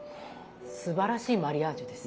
すばらしいマリアージュです。